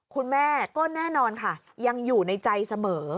คุณแม่ก็แน่นอนค่ะยังอยู่ในใจเสมอ